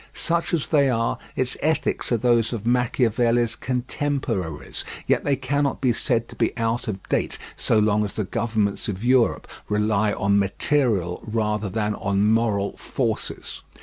Such as they are, its ethics are those of Machiavelli's contemporaries; yet they cannot be said to be out of date so long as the governments of Europe rely on material rather than on moral forces.